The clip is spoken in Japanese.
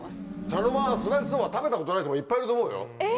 茶の間はすだちそば食べたことない人もいっぱいいると思うよ？え？